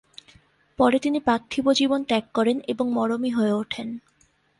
পরে তিনি পার্থিব জীবন ত্যাগ করেন এবং মরমী হয়ে ওঠেন।